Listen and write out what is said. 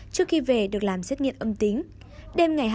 trước khi về được làm xét nghiệm âm tính